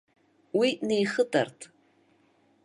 Уи неихытарт.